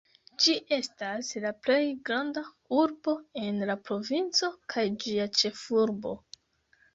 Ĝi estas la plej granda urbo en la provinco kaj ĝia ĉefurbo.